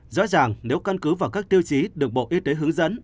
rõ ràng nếu căn cứ vào các tiêu chí được bộ y tế hướng dẫn